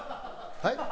はい？